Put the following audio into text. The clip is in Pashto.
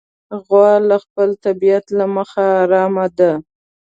غوا د خپل طبیعت له مخې ارامه ده.